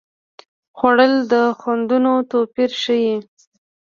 خوړل د خوندونو توپیر ښيي